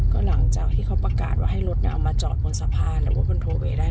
ก็หลังจากที่เขาประกาศว่าให้รถเอามาจอดบนสะพานหรือว่าพลโทเวย์ได้